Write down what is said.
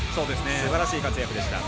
すばらしい活躍でした。